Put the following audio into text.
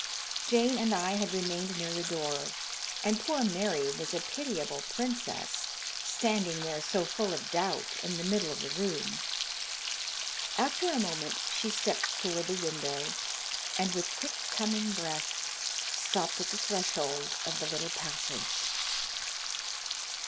Jane and I had remained near the door, and poor Mary was a pitiable princess, standing there so full of doubt in the middle of the room. After a moment she stepped toward the window, and, with quick coming breath, stopped at the threshold of the little passage.